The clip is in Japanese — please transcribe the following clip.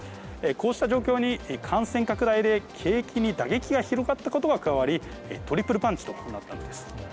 こうした状況に感染拡大で景気に打撃が広がったことが加わりトリプルパンチとなったのです。